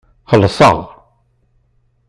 Xellseɣ.